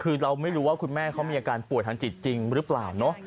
คือเราไม่รู้ว่าคุณแม่เขามีอาการป่วยทางจิตจริงหรือเปล่าเนอะ